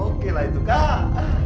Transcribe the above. oke lah itu kak